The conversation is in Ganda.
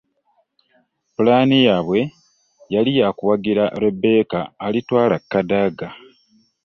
Ppulaani yaabwe yali ya kuwagira Rebecca Alitwala Kadaga